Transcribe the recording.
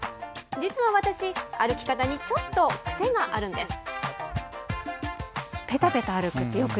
実は私、歩き方にちょっと癖があるんです。